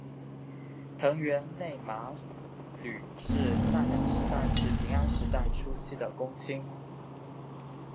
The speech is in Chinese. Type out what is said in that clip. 藤原内麻吕是奈良时代至平安时代初期的公卿。